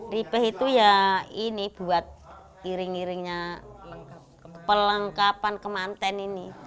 ribe itu ya ini buat iring iringnya pelengkapan kemanten ini